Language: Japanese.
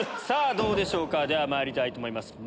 さぁどうでしょうかではまいりたいと思います。